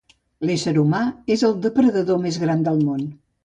L'ésser humà és el depredador més gran del món.